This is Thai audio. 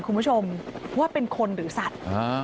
คุณผู้ชมว่าเป็นคนหรือสัตว์